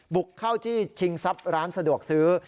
บุกเข้าจี้ชิงทรัพย์ร้านสะดวกซื้อ